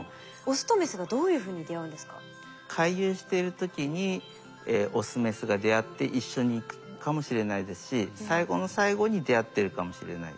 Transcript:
でもそれにしても回遊している時にオスメスが出会って一緒に行くかもしれないですし最後の最後に出会ってるかもしれない。